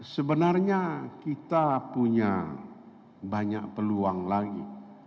sebenarnya kita punya banyak peluang lagi